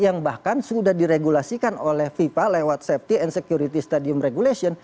yang bahkan sudah diregulasikan oleh fifa lewat safety and security stadium regulation